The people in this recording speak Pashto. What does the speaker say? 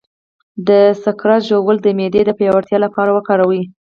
د سقز ژوول د معدې د پیاوړتیا لپاره وکاروئ